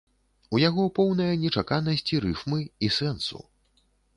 У яго поўная нечаканасць і рыфмы, і сэнсу.